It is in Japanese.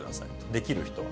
できる人は。